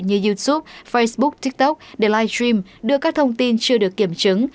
như youtube facebook tiktok để live stream đưa các thông tin chưa được kiểm chứng